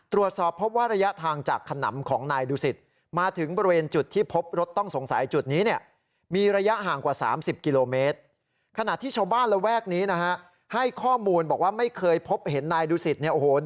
ตรวจสอบพบว่าระยะทางจากขนำของนายดูสิต